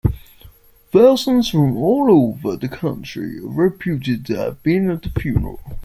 Thousands from all over the country are reputed to have been at the funeral.